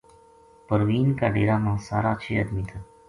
پروین کا ڈیرا ما سارا چھ ادمی تھا